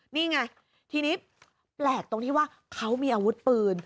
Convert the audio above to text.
นี่ไงทีนี้แปลกตรงที่ว่าเขามีอาวุธปืน